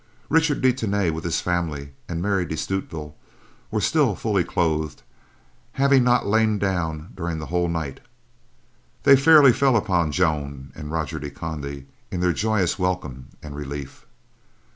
Richard de Tany with his family and Mary de Stutevill were still fully clothed, having not lain down during the whole night. They fairly fell upon Joan and Roger de Conde in their joyous welcome and relief.